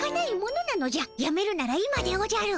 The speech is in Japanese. やめるなら今でおじゃる。